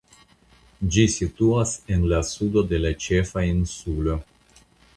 Ĝi situas en la sudo de la ĉefa insulo.